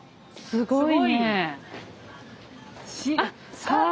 すごい。